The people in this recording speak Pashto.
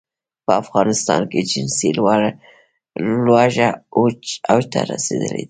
په افغانستان کې جنسي لوږه اوج ته رسېدلې ده.